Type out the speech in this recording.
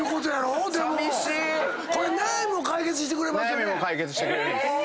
悩みも解決してくれる。